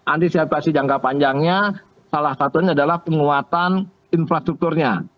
antisipasi jangka panjangnya salah satunya adalah penguatan infrastrukturnya